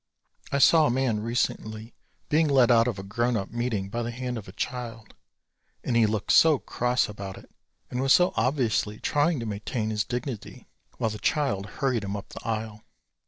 I saw a man recently being led out of a grown up meeting by the hand of a child and he looked so cross about it and was so obviously trying to maintain his dignity while the child hurried him up the aisle.